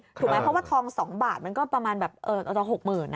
ถูกไหมเพราะว่าทองสองบาทมันก็ประมาณแบบเอ่อหกหมื่นนะ